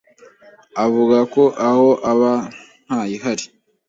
avuga ko aho aba ntayihari